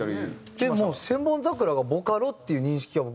でも『千本桜』がボカロっていう認識が僕なくて。